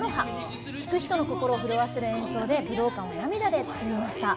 聴く人の心を震わせる演奏で武道館を涙で包みました。